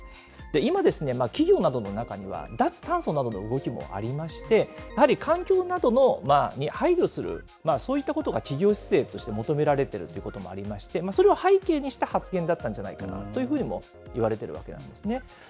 今ですね、企業などの中には脱炭素などの動きもありまして、やはり環境などに配慮する、そういったことが企業姿勢として求められているということもありまして、それを背景にした発言だったんじゃないかなというふうにもいわれているわけなんですね。